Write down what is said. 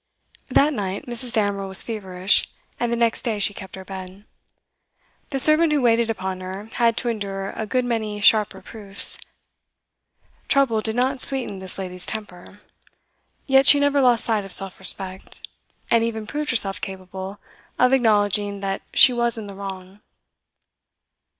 That night Mrs. Damerel was feverish, and the next day she kept her bed. The servant who waited upon her had to endure a good many sharp reproofs; trouble did not sweeten this lady's temper, yet she never lost sight of self respect, and even proved herself capable of acknowledging that she was in the wrong.